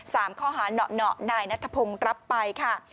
สามข้อหาเหนาะนายนัทพงศ์รับไปค่ะ